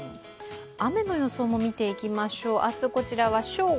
雨の予想も見ていきましょう。